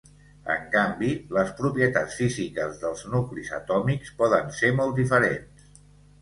En canvi, les propietats físiques dels nuclis atòmics poden ser molt diferents.